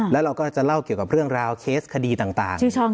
แล้วเราก็จะเล่าเกี่ยวกับเรื่องราวเคสคดีต่าง